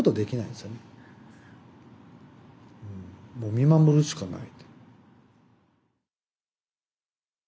見守るしかない。